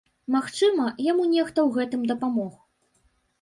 Магчыма, яму нехта ў гэтым дапамог.